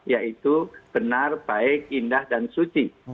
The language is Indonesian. yaitu benar baik indah dan suci